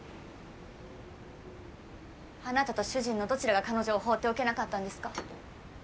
あなたと主人のどちらが彼女を放っておけなかったんですか。